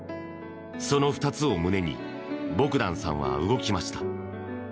その２つを胸にボグダンさんは動きました。